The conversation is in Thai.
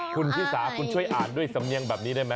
คุณชิสาคุณช่วยอ่านด้วยสำเนียงแบบนี้ได้ไหม